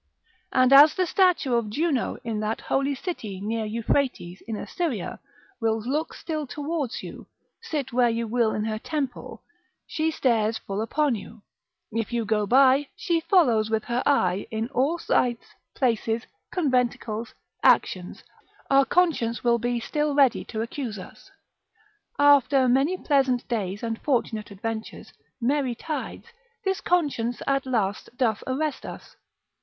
And as the statue of Juno in that holy city near Euphrates in Assyria will look still towards you, sit where you will in her temple, she stares full upon you, if you go by, she follows with her eye, in all sites, places, conventicles, actions, our conscience will be still ready to accuse us. After many pleasant days, and fortunate adventures, merry tides, this conscience at last doth arrest us.